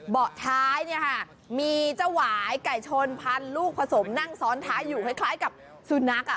เบาะท้ายมีเจ้าหวายไก่ชนพันลูกผสมนั่งซ้อนท้ายอยู่คล้ายกับสุนัข